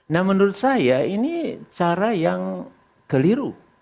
nah menurut saya ini cara yang keliru